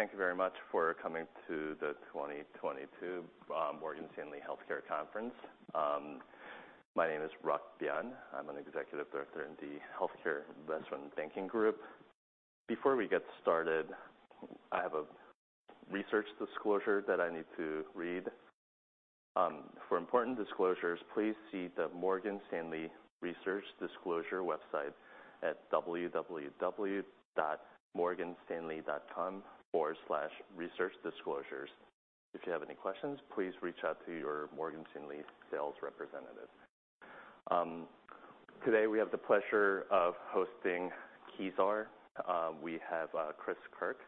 Thank you very much for coming to the 2022 Morgan Stanley Healthcare Conference. My name is Ryuk Byun. I'm an executive director in the healthcare investment banking group. Before we get started, I have a research disclosure that I need to read. For important disclosures, please see the Morgan Stanley Research Disclosure website at www.morganstanley.com/researchdisclosures. If you have any questions, please reach out to your Morgan Stanley sales representative. Today, we have the pleasure of hosting Kezar. We have Chris Kirk,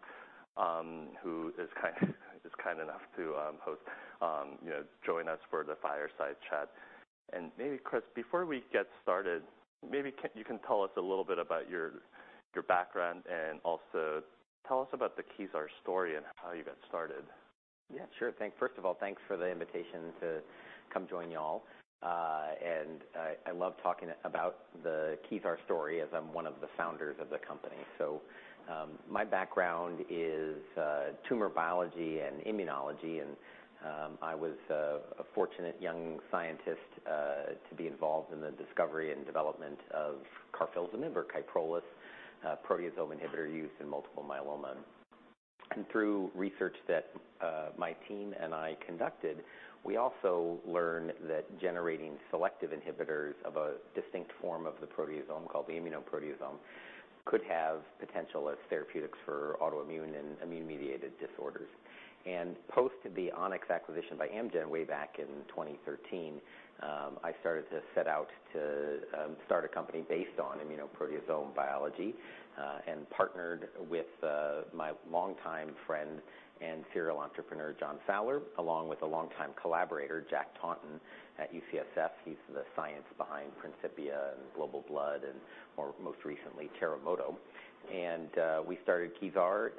who is kind enough to, you know, join us for the fireside chat. Maybe, Chris, before we get started, you can tell us a little bit about your background, and also tell us about the Kezar story and how you got started. Yeah, sure. First of all, thanks for the invitation to come join y'all. I love talking about the Kezar story, as I'm one of the founders of the company. My background is tumor biology and immunology, and I was a fortunate young scientist to be involved in the discovery and development of carfilzomib, or KYPROLIS, proteasome inhibitor used in multiple myeloma. Through research that my team and I conducted, we also learned that generating selective inhibitors of a distinct form of the proteasome, called the immunoproteasome, could have potential as therapeutics for autoimmune and immune-mediated disorders. Post the Onyx acquisition by Amgen way back in 2013, I started to set out to start a company based on immunoproteasome biology, and partnered with my longtime friend and serial entrepreneur, John Fowler, along with a longtime collaborator, Jack Taunton, at UCSF. He's the science behind Principia, and Global Blood, and more, most recently, Terremoto. We started Kezar,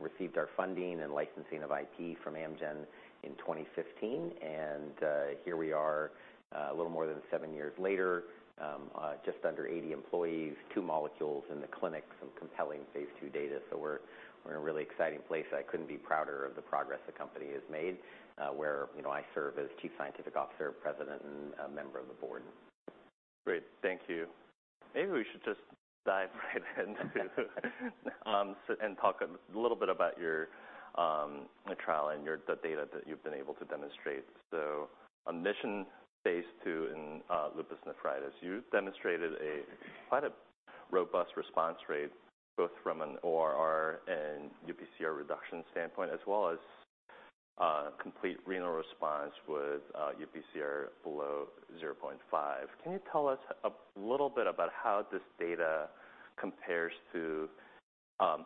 received our funding and licensing of IP from Amgen in 2015, and here we are a little more than seven years later, just under 80 employees, two molecules in the clinic, some compelling phase II data. We're in a really exciting place. I couldn't be prouder of the progress the company has made, where, you know, I serve as Chief Scientific Officer, President, and a member of the board. Great. Thank you. Maybe we should just dive right into and talk a little bit about your trial and the data that you've been able to demonstrate. On MISSION phase II in lupus nephritis, you've demonstrated quite a robust response rate, both from an ORR and UPCR reduction standpoint, as well as complete renal response with UPCR below 0.5. Can you tell us a little bit about how this data compares to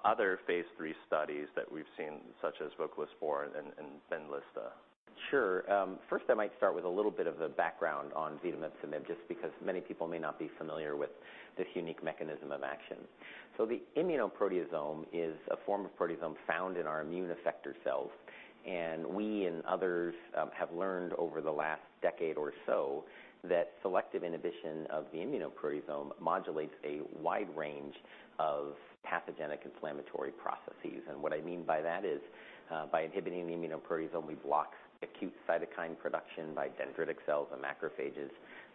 other phase III studies that we've seen, such as voclosporin and BENLYSTA? Sure. First I might start with a little bit of a background on zetomipzomib, just because many people may not be familiar with this unique mechanism of action. The immunoproteasome is a form of proteasome found in our immune effector cells, and we and others have learned over the last decade or so that selective inhibition of the immunoproteasome modulates a wide range of pathogenic inflammatory processes. What I mean by that is, by inhibiting the immunoproteasome, we block acute cytokine production by dendritic cells and macrophages,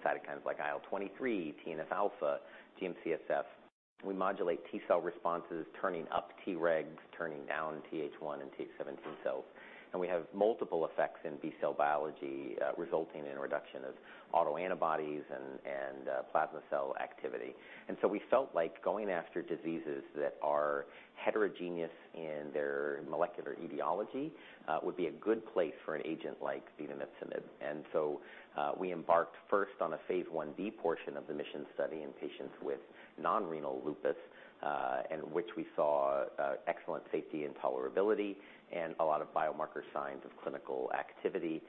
cytokines like IL-23, TNF-alpha, GM-CSF. We modulate T cell responses, turning up Tregs, turning down Th1 and Th17 cells. We have multiple effects in B cell biology, resulting in a reduction of autoantibodies and plasma cell activity. We felt like going after diseases that are heterogeneous in their molecular etiology would be a good place for an agent like zetomipzomib. We embarked first on a phase I-B portion of the MISSION study in patients with non-renal lupus, in which we saw excellent safety and tolerability and a lot of biomarker signs of clinical activity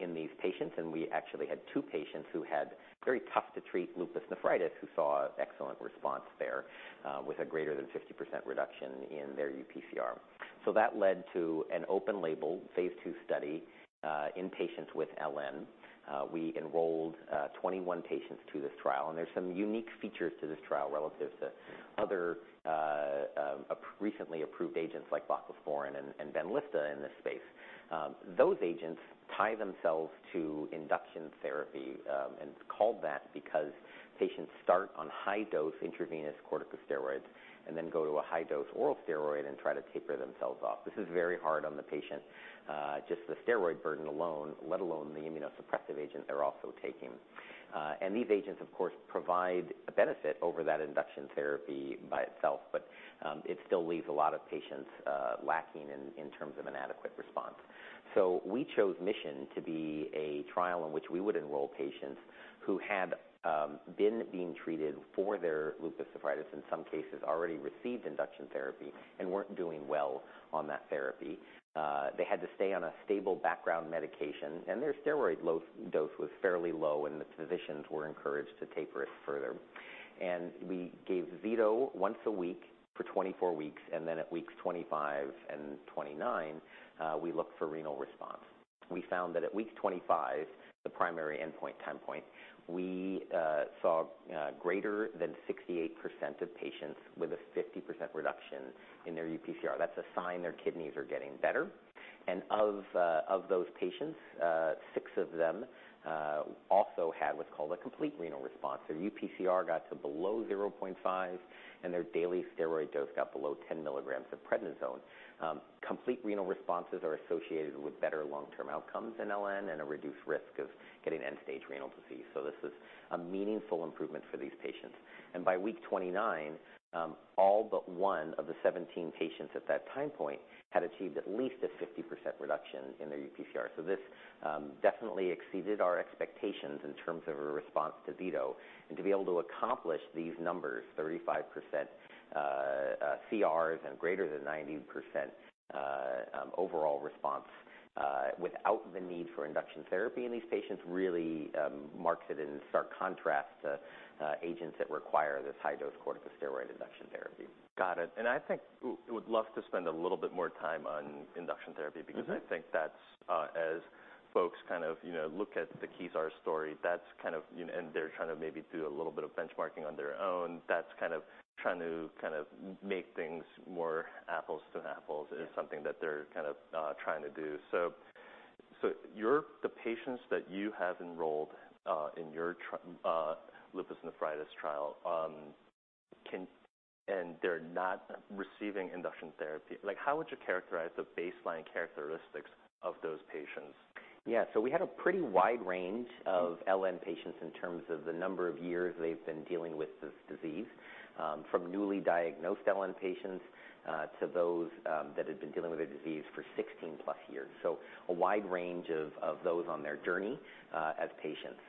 in these patients, and we actually had two patients who had very tough to treat lupus nephritis who saw excellent response there with a greater than 50% reduction in their UPCR. That led to an open label phase II study in patients with LN. We enrolled 21 patients to this trial, and there's some unique features to this trial relative to other recently approved agents like voclosporin and BENLYSTA in this space. Those agents tie themselves to induction therapy, and it's called that because patients start on high-dose intravenous corticosteroids and then go to a high-dose oral steroid and try to taper themselves off. This is very hard on the patient. Just the steroid burden alone, let alone the immunosuppressive agent they're also taking. These agents of course provide a benefit over that induction therapy by itself, but it still leaves a lot of patients lacking in terms of an adequate response. We chose MISSION to be a trial in which we would enroll patients who had been being treated for their lupus nephritis, in some cases already received induction therapy, and weren't doing well on that therapy. They had to stay on a stable background medication, and their steroid load dose was fairly low, and the physicians were encouraged to taper it further. We gave zeto once a week for 24 weeks, and then at weeks 25 and 29, we looked for renal response. We found that at week 25, the primary endpoint time point, we saw greater than 68% of patients with a 50% reduction in their UPCR. That's a sign their kidneys are getting better. Of those patients, six of them also had what's called a complete renal response. Their UPCR got to below 0.5, and their daily steroid dose got below 10 mg of prednisone. Complete renal responses are associated with better long-term outcomes in LN and a reduced risk of getting end-stage renal disease. This is a meaningful improvement for these patients. By week 29, all but one of the 17 patients at that time point had achieved at least a 50% reduction in their UPCR. This definitely exceeded our expectations in terms of a response to zeto. To be able to accomplish these numbers, 35% CRRs and greater than 90% overall response, without the need for induction therapy in these patients really marks it in stark contrast to agents that require this high-dose corticosteroid induction therapy. Got it. I think we would love to spend a little bit more time on induction therapy. Mm-hmm. Because I think that's, as folks kind of, you know, look at the Kezar story, that's kind of, you know, and they're trying to maybe do a little bit of benchmarking on their own. That's kind of trying to make things more apples to apples. Yeah. Is something that they're kind of trying to do. The patients that you have enrolled in your lupus nephritis trial, they're not receiving induction therapy. Like, how would you characterize the baseline characteristics of those patients? Yeah. We had a pretty wide range of- Mm-hmm. LN patients in terms of the number of years they've been dealing with this disease, from newly diagnosed LN patients to those that had been dealing with the disease for 16+ years. A wide range of those on their journey as patients.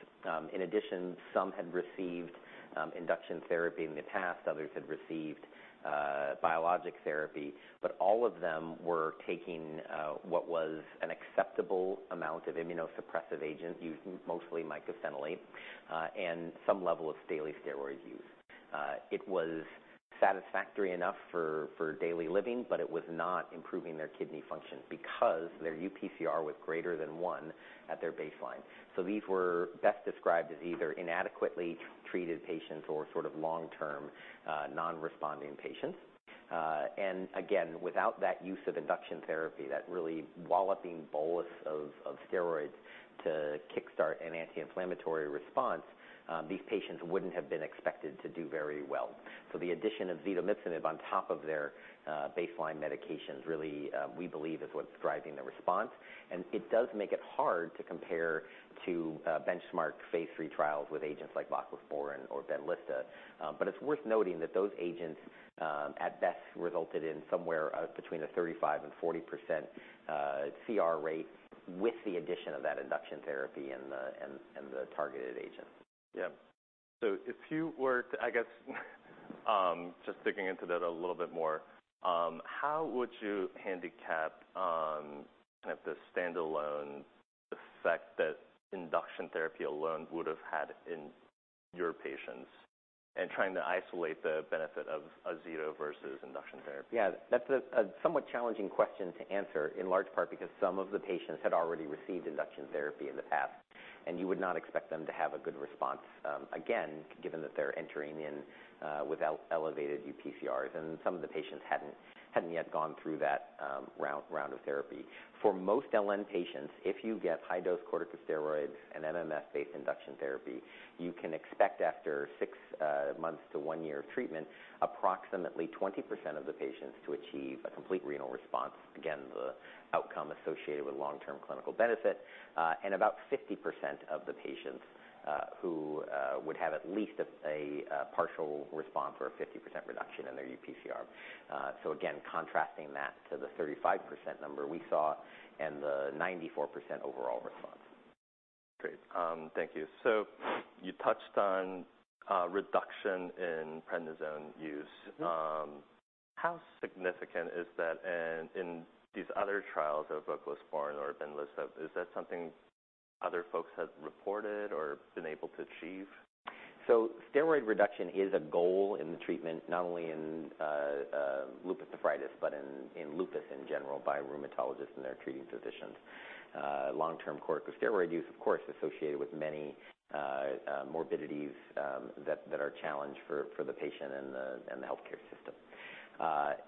In addition, some had received induction therapy in the past. Others had received biologic therapy, but all of them were taking what was an acceptable amount of immunosuppressive agent, as mostly mycophenolate, and some level of daily steroid use. It was satisfactory enough for daily living, but it was not improving their kidney function because their UPCR was greater than one at their baseline. These were best described as either inadequately treated patients or sort of long-term non-responding patients. Without that use of induction therapy, that really walloping bolus of steroids to kickstart an anti-inflammatory response, these patients wouldn't have been expected to do very well. The addition of zetomipzomib on top of their baseline medications really, we believe, is what's driving the response. It does make it hard to compare to benchmark phase III trials with agents like voclosporin or BENLYSTA. It's worth noting that those agents, at best resulted in somewhere between 35% and 40% CR rate with the addition of that induction therapy and the targeted agent. If you were to, I guess, just digging into that a little bit more, how would you handicap kind of the standalone effect that induction therapy alone would have had in your patients and trying to isolate the benefit of zeto versus induction therapy? Yeah. That's a somewhat challenging question to answer, in large part because some of the patients had already received induction therapy in the past, and you would not expect them to have a good response, again, given that they're entering in with elevated UPCRs, and some of the patients hadn't yet gone through that round of therapy. For most LN patients, if you get high-dose corticosteroids and MMF-based induction therapy, you can expect after six months to one year of treatment, approximately 20% of the patients to achieve a complete renal response, again, the outcome associated with long-term clinical benefit, and about 50% of the patients who would have at least a partial response or a 50% reduction in their UPCR. Again, contrasting that to the 35% number we saw and the 94% overall response. Great. Thank you. You touched on reduction in prednisone use. Mm-hmm. How significant is that? In these other trials of voclosporin or BENLYSTA, is that something other folks have reported or been able to achieve? Steroid reduction is a goal in the treatment, not only in lupus nephritis, but in lupus in general by rheumatologists and their treating physicians. Long-term corticosteroid use, of course, associated with many morbidities that are a challenge for the patient and the healthcare system.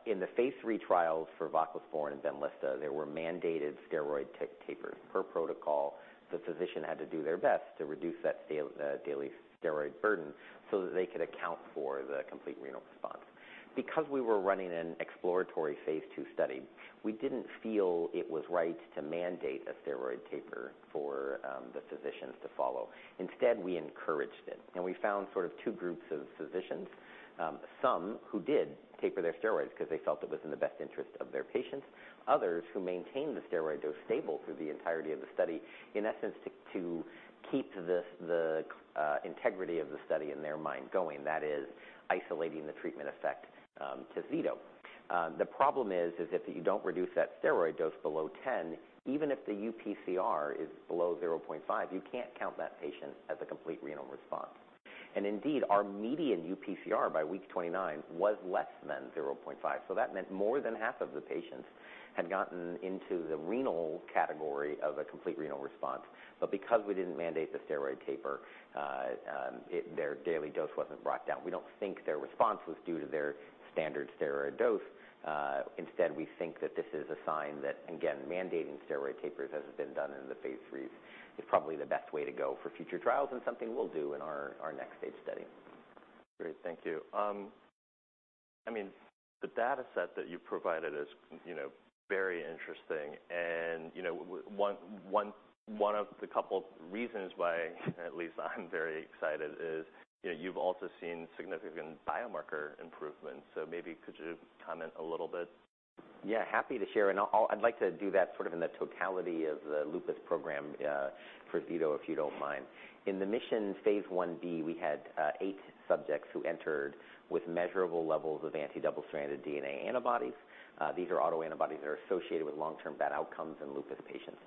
In the phase III trials for voclosporin and BENLYSTA, there were mandated steroid tapers. Per protocol, the physician had to do their best to reduce that daily steroid burden so that they could account for the complete renal response. Because we were running an exploratory phase II study, we didn't feel it was right to mandate a steroid taper for the physicians to follow. Instead, we encouraged it, and we found sort of two groups of physicians, some who did taper their steroids because they felt it was in the best interest of their patients, others who maintained the steroid dose stable through the entirety of the study, in essence to keep the integrity of the study in their mind going. That is isolating the treatment effect to zeto. The problem is if you don't reduce that steroid dose below 10, even if the UPCR is below 0.5, you can't count that patient as a complete renal response. Indeed, our median UPCR by week 29 was less than 0.5. That meant more than half of the patients had gotten into the renal category of a complete renal response. Because we didn't mandate the steroid taper, it. Their daily dose wasn't brought down. We don't think their response was due to their standard steroid dose. Instead, we think that this is a sign that, again, mandating steroid tapers, as has been done in the phase IIIs, is probably the best way to go for future trials and something we'll do in our next phase study. Great. Thank you. I mean, the data set that you provided is, you know, very interesting and, you know, one of the couple reasons why at least I'm very excited is, you know, you've also seen significant biomarker improvements, so maybe could you comment a little bit? Yeah, happy to share, I'd like to do that sort of in the totality of the lupus program for zeto, if you don't mind. In the MISSION phase I-B, we had eight subjects who entered with measurable levels of anti-double-stranded DNA antibodies. These are autoantibodies that are associated with long-term bad outcomes in lupus patients.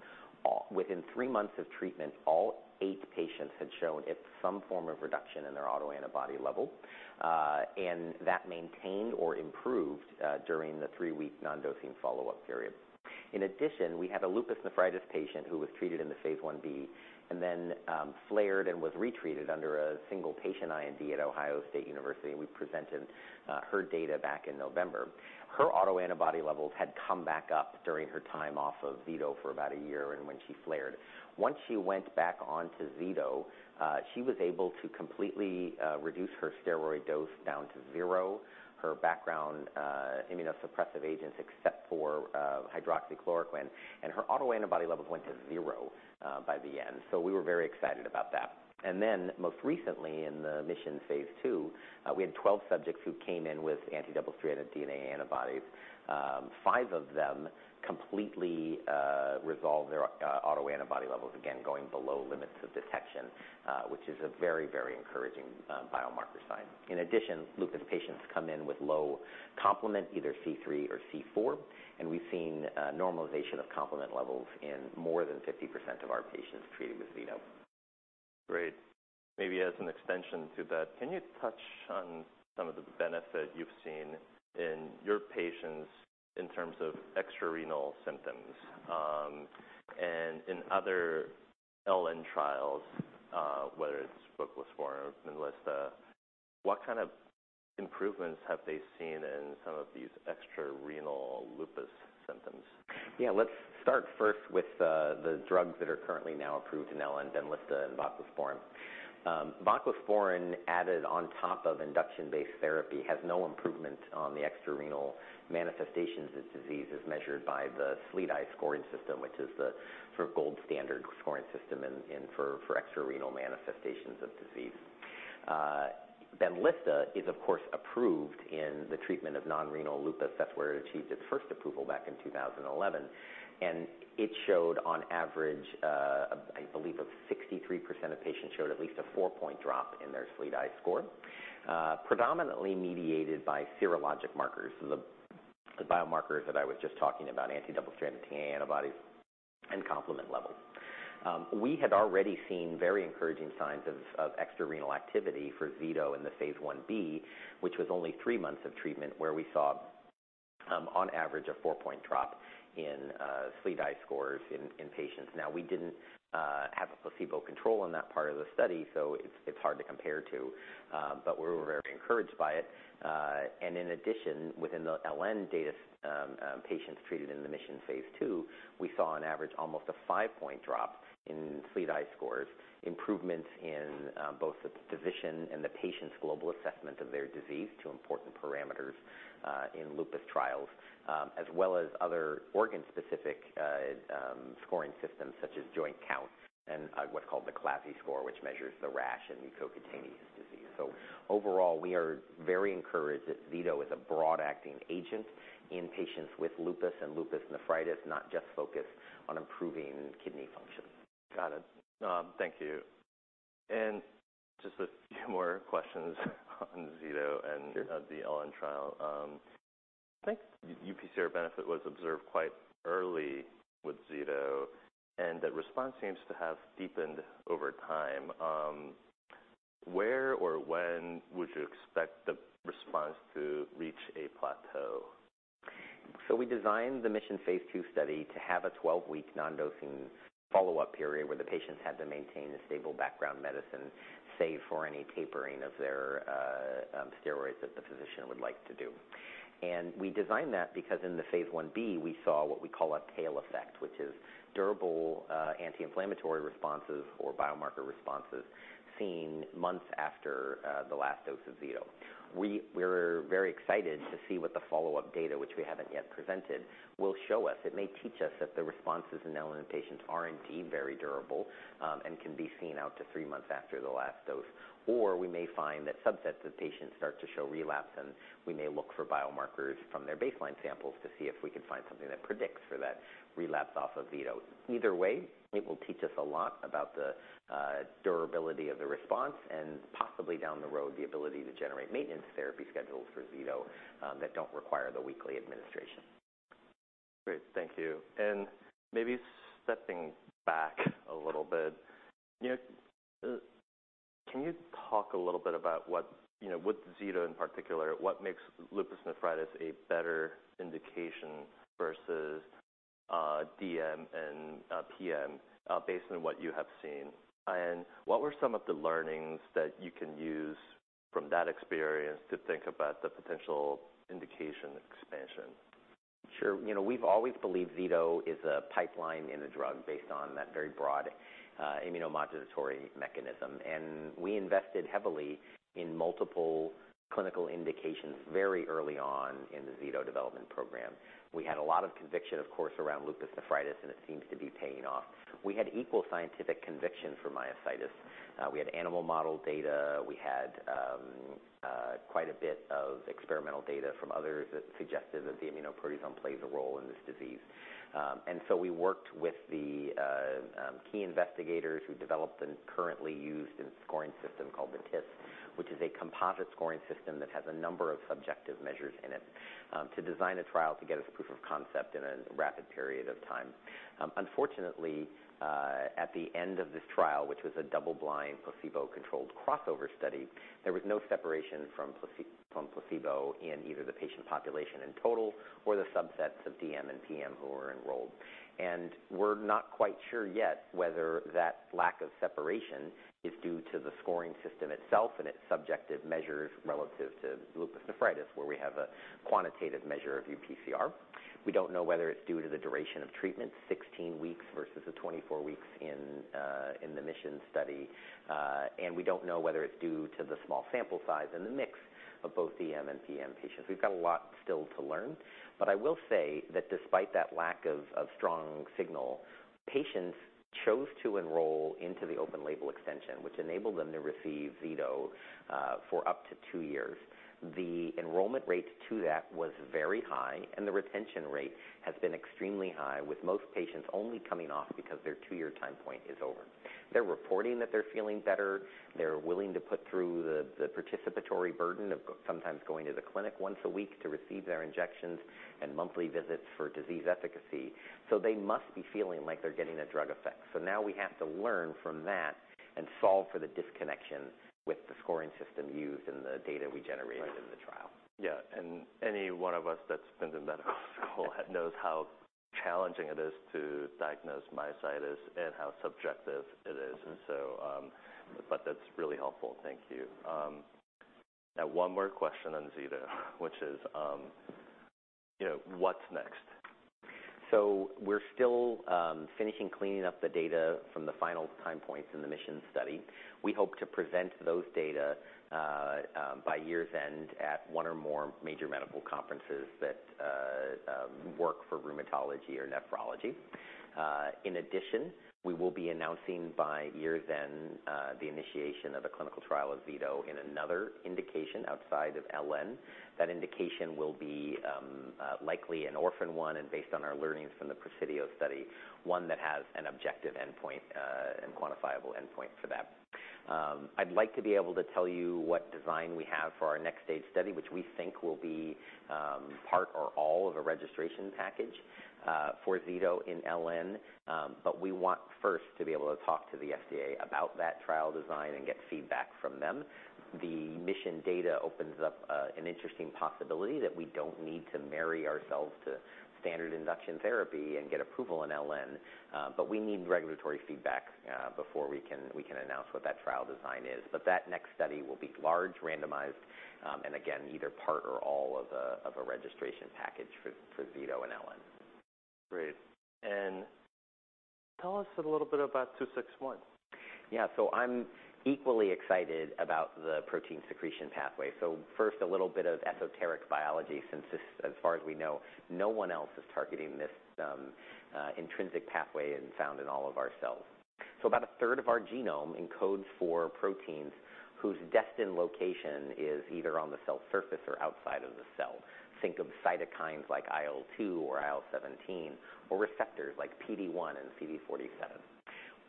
Within three months of treatment, all eight patients had shown some form of reduction in their autoantibody level, and that maintained or improved during the three-week non-dosing follow-up period. In addition, we had a lupus nephritis patient who was treated in the phase I-B and then flared and was retreated under a single patient IND at Ohio State University, and we presented her data back in November. Her autoantibody levels had come back up during her time off of zeto for about a year and when she flared. Once she went back onto zeto, she was able to completely reduce her steroid dose down to zero, her background immunosuppressive agents, except for hydroxychloroquine, and her autoantibody levels went to zero by the end. We were very excited about that. Most recently, in the MISSION phase II, we had 12 subjects who came in with anti-double stranded DNA antibodies. Five of them completely resolved their autoantibody levels, again going below limits of detection, which is a very, very encouraging biomarker sign. In addition, lupus patients come in with low complement, either C3 or C4, and we've seen normalization of complement levels in more than 50% of our patients treated with zeto. Great. Maybe as an extension to that, can you touch on some of the benefit you've seen in your patients in terms of extrarenal symptoms? In other LN trials, whether it's voclosporin or BENLYSTA, what kind of improvements have they seen in some of these extrarenal lupus symptoms? Yeah. Let's start first with the drugs that are currently now approved in LN, BENLYSTA and voclosporin. Voclosporin added on top of induction-based therapy has no improvement on the extrarenal manifestations of disease as measured by the SLEDAI scoring system, which is the sort of gold standard scoring system for extrarenal manifestations of disease. BENLYSTA is of course approved in the treatment of non-renal lupus. That's where it achieved its first approval back in 2011, and it showed on average, I believe of 63% of patients showed at least a four-point drop in their SLEDAI score, predominantly mediated by serologic markers, so the biomarkers that I was just talking about, anti-double stranded DNA antibodies and complement levels. We had already seen very encouraging signs of extrarenal activity for zeto in the phase I-B, which was only three months of treatment, where we saw on average a four-point drop in SLEDAI scores in patients. Now, we didn't have a placebo control in that part of the study, so it's hard to compare to, but we're very encouraged by it. In addition, within the LN data, patients treated in the MISSION phase II, we saw on average almost a five-point drop in SLEDAI scores, improvements in both the physician and the patient's global assessment of their disease, two important parameters in lupus trials, as well as other organ-specific scoring systems such as joint count and what's called the CLASI-A score, which measures the rash in mucocutaneous disease. Overall, we are very encouraged that zeto is a broad-acting agent in patients with lupus and lupus nephritis, not just focused on improving kidney function. Got it. Thank you. Just a few more questions on zeto- Sure. The LN trial. I think UPCR benefit was observed quite early with zeto, and the response seems to have deepened over time. Where or when would you expect the response to reach a plateau? We designed the MISSION phase II study to have a 12-week non-dosing follow-up period where the patients had to maintain a stable background medicine, save for any tapering of their steroids that the physician would like to do. We designed that because in the phase I-B, we saw what we call a tail effect, which is durable anti-inflammatory responses or biomarker responses seen months after the last dose of zeto. We're very excited to see what the follow-up data, which we haven't yet presented, will show us. It may teach us that the responses in LN patients are indeed very durable, and can be seen out to three months after the last dose. We may find that subsets of patients start to show relapse, and we may look for biomarkers from their baseline samples to see if we can find something that predicts for that relapse off of zeto. Either way, it will teach us a lot about the durability of the response and possibly down the road, the ability to generate maintenance therapy schedules for zeto that don't require the weekly administration. Great. Thank you. Maybe stepping back a little bit, you know, can you talk a little bit about what, you know, with zeto in particular, what makes lupus nephritis a better indication versus, DM and, PM, based on what you have seen? What were some of the learnings that you can use from that experience to think about the potential indication expansion? Sure. You know, we've always believed zeto is a pipeline-in-a-drug based on that very broad, immunomodulatory mechanism. We invested heavily in multiple clinical indications very early on in the zeto development program. We had a lot of conviction, of course, around lupus nephritis, and it seems to be paying off. We had equal scientific conviction for myositis. We had animal model data. We had quite a bit of experimental data from others that suggested that the immunoproteasome plays a role in this disease. We worked with the key investigators who developed and currently use a scoring system called the TIS, which is a composite scoring system that has a number of subjective measures in it, to design a trial to get us proof of concept in a rapid period of time. Unfortunately, at the end of this trial, which was a double-blind placebo-controlled crossover study, there was no separation from placebo in either the patient population in total or the subsets of DM and PM who were enrolled. We're not quite sure yet whether that lack of separation is due to the scoring system itself and its subjective measures relative to lupus nephritis, where we have a quantitative measure of UPCR. We don't know whether it's due to the duration of treatment, 16 weeks versus the 24 weeks in the MISSION study. We don't know whether it's due to the small sample size and the mix of both DM and PM patients. We've got a lot still to learn. I will say that despite that lack of strong signal, patients chose to enroll into the open label extension, which enabled them to receive zeto for up to two years. The enrollment rate to that was very high, and the retention rate has been extremely high, with most patients only coming off because their two-year time point is over. They're reporting that they're feeling better. They're willing to put through the participatory burden of sometimes going to the clinic once a week to receive their injections and monthly visits for disease efficacy. They must be feeling like they're getting a drug effect. Now we have to learn from that and solve for the disconnection with the scoring system used and the data we generated. Right In the trial. Yeah. Any one of us that's been to medical school knows how challenging it is to diagnose myositis and how subjective it is. Mm-hmm. But that's really helpful. Thank you. Now one more question on zeto, which is, you know, what's next? We're still finishing cleaning up the data from the final time points in the MISSION study. We hope to present those data by year's end at one or more major medical conferences that work for rheumatology or nephrology. In addition, we will be announcing by year's end the initiation of a clinical trial of zeto in another indication outside of LN. That indication will be likely an orphan one, and based on our learnings from the PRESIDIO study, one that has an objective endpoint and quantifiable endpoint for that. I'd like to be able to tell you what design we have for our next stage study, which we think will be part or all of a registration package for zeto in LN. We want first to be able to talk to the FDA about that trial design and get feedback from them. The MISSION data opens up an interesting possibility that we don't need to marry ourselves to standard induction therapy and get approval in LN, but we need regulatory feedback before we can announce what that trial design is. That next study will be large, randomized, and again, either part or all of a registration package for zeto and LN. Great. Tell us a little bit about 261. Yeah. I'm equally excited about the protein secretion pathway. First, a little bit of esoteric biology since this, as far as we know, no one else is targeting this intrinsic pathway and found in all of our cells. About a third of our genome encodes for proteins whose destined location is either on the cell surface or outside of the cell. Think of cytokines like IL-2 or IL-17, or receptors like PD-1 and CD47.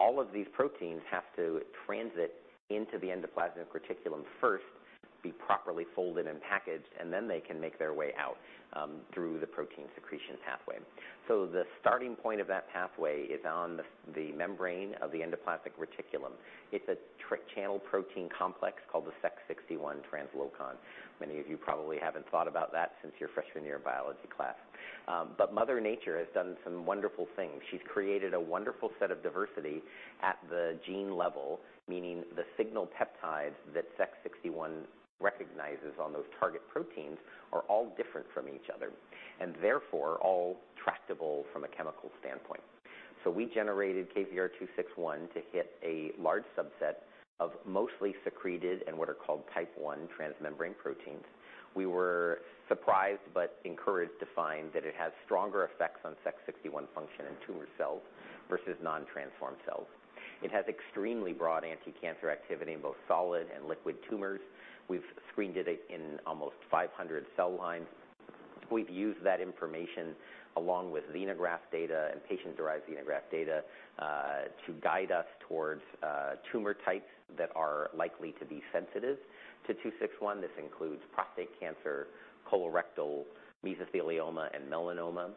All of these proteins have to transit into the endoplasmic reticulum first, be properly folded and packaged, and then they can make their way out through the protein secretion pathway. The starting point of that pathway is on the membrane of the endoplasmic reticulum. It's a channel protein complex called the Sec61 translocon. Many of you probably haven't thought about that since your freshman year biology class. Mother Nature has done some wonderful things. She's created a wonderful set of diversity at the gene level, meaning the signal peptides that Sec61 recognizes on those target proteins are all different from each other, and therefore, all tractable from a chemical standpoint. We generated KZR-261 to hit a large subset of mostly secreted and what are called type I transmembrane proteins. We were surprised but encouraged to find that it has stronger effects on Sec61 function in tumor cells versus non-transformed cells. It has extremely broad anticancer activity in both solid and liquid tumors. We've screened it in almost 500 cell lines. We've used that information along with xenograft data and patient-derived xenograft data to guide us towards tumor types that are likely to be sensitive to 261. This includes prostate cancer, colorectal, mesothelioma, and melanoma.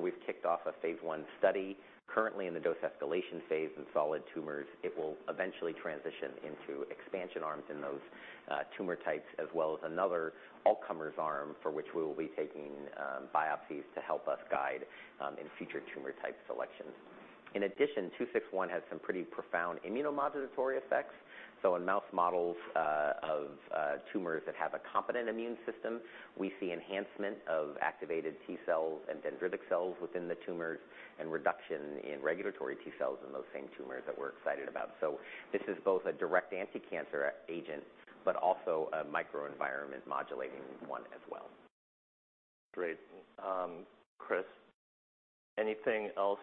We've kicked off a phase I study currently in the dose escalation phase in solid tumors. It will eventually transition into expansion arms in those tumor types, as well as another all-comers arm, for which we will be taking biopsies to help us guide in future tumor type selections. In addition, KZR-261 has some pretty profound immunomodulatory effects. In mouse models of tumors that have a competent immune system, we see enhancement of activated T cells and dendritic cells within the tumors and reduction in regulatory T cells in those same tumors that we're excited about. This is both a direct anti-cancer agent, but also a microenvironment modulating one as well. Great. Chris, anything else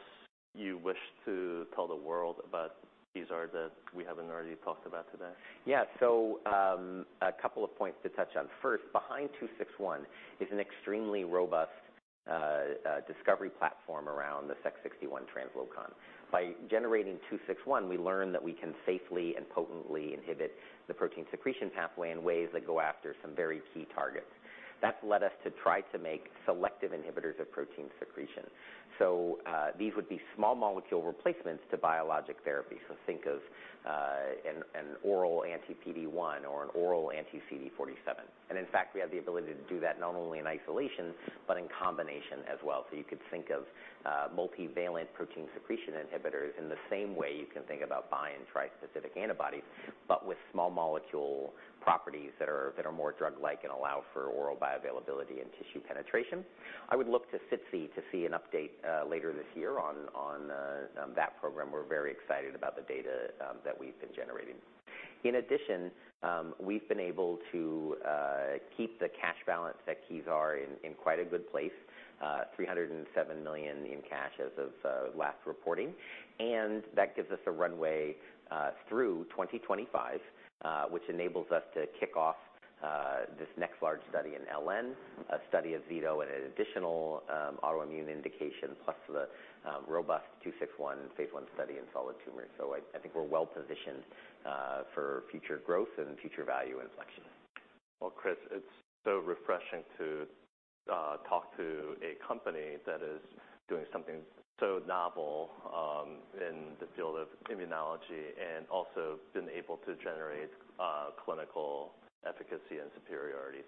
you wish to tell the world about Kezar that we haven't already talked about today? Yeah. A couple of points to touch on. First, behind 261 is an extremely robust discovery platform around the Sec61 translocon. By generating 261, we learn that we can safely and potently inhibit the protein secretion pathway in ways that go after some very key targets. That's led us to try to make selective inhibitors of protein secretion. These would be small molecule replacements to biologic therapy. Think of an oral anti-PD-1 or an oral anti-CD47. In fact, we have the ability to do that not only in isolation, but in combination as well. You could think of multivalent protein secretion inhibitors in the same way you can think about bi- and tri-specific antibodies, but with small molecule properties that are more drug-like and allow for oral bioavailability and tissue penetration. I would look to SITC to see an update later this year on that program. We're very excited about the data that we've been generating. In addition, we've been able to keep the cash balance at Kezar in quite a good place, $307 million in cash as of last reporting. That gives us a runway through 2025, which enables us to kick off this next large study in LN, a study of zeto and an additional autoimmune indication, plus the robust KZR-261 phase I study in solid tumors. I think we're well-positioned for future growth and future value inflection. Well, Chris, it's so refreshing to talk to a company that is doing something so novel in the field of immunology and also been able to generate clinical efficacy and superiority.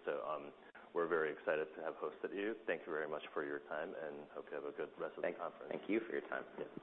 We're very excited to have hosted you. Thank you very much for your time, and hope you have a good rest of the conference. Thank you for your time. Yeah.